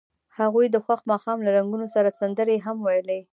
هغوی د خوښ ماښام له رنګونو سره سندرې هم ویلې.